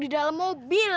dia juga naik mobil mewah